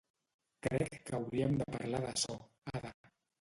Crec que hauríem de parlar d'açò, Ada.